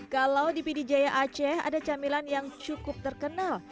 kalau di pd jaya aceh ada camilan yang cukup terkenal